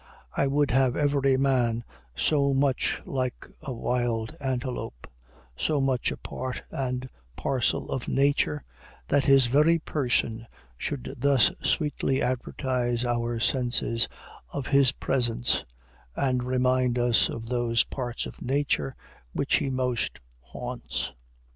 I would have every man so much like a wild antelope, so much a part and parcel of Nature, that his very person should thus sweetly advertise our senses of his presence, and remind us of those parts of Nature which he most haunts.